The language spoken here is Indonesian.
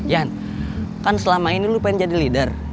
yan kan selama ini lu pengen jadi leader